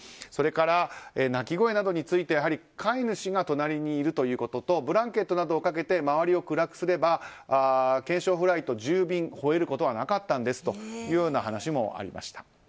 それから鳴き声になどについては飼い主が隣にいるということとブランケットなどをかけて周りを暗くすれば検証フライト１０便で吠えることはなかったんですという話もありました。